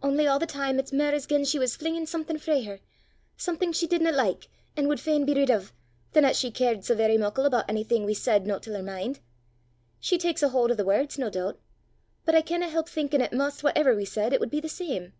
Only a' the time it's mair as gien she was flingin' something frae her, something she didna like an' wud fain be rid o', than 'at she cared sae verra muckle aboot onything we said no til her min'. She taks a haud o' the words, no doobt! but I canna help thinkin' 'at 'maist whatever we said, it wud be the same.